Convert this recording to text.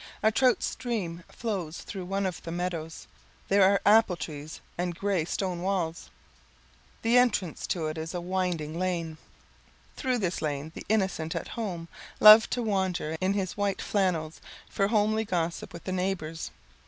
A trout stream flows through one of the meadows. There are apple trees and gray stone walls. The entrance to it is a winding, [text unreadable] lane." "Through this lane the 'Innocent at Home' loved to wander in his white flannels for homely gossip with the neighbors.